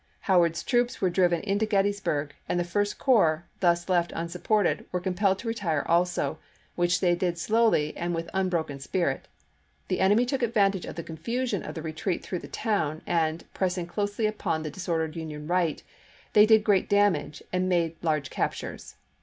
Howard's troops were driven into Gettysburg, and the First Corps, thus left unsupported, were compelled to retire also, which they did slowly and with unbroken spirit; the enemy took advantage of the confusion of the retreat through the town, and, pressing closely upon the disordered Union right, they did great damage and made large captures.